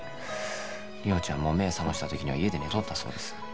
梨央ちゃんも目覚ました時には家で寝とったそうです